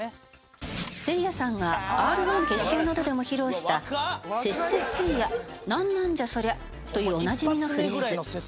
せいやさんがＲ−１決勝などでも披露した「せっせっせいやなんなんじゃそりゃ」というおなじみのフレーズ。